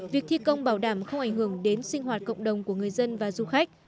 việc thi công bảo đảm không ảnh hưởng đến sinh hoạt cộng đồng của người dân và du khách